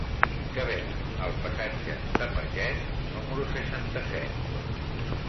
Què venen al passatge de Pagès número seixanta-set?